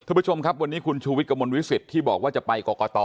คุณผู้ชมครับวันนี้คุณชูวิทย์กระมวลวิสิตที่บอกว่าจะไปกรกต